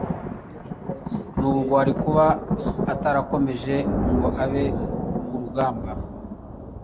Nubugwari kuba atarakomeje ngo abe ku rugamab